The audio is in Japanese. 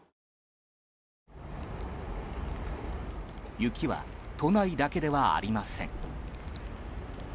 雪は都内だけではありません。